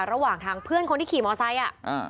ระหว่างทางเพื่อนคนที่ขี่มอเตอร์ไซค์อ่ะ